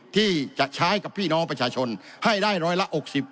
ที่จะใช้กับพี่น้องประชาชนให้ได้ร้อยละ๖๐